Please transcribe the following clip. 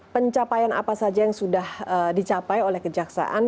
pencapaian apa saja yang sudah dicapai oleh kejaksaan